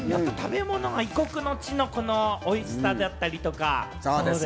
異国の地のおいしさだったりとか？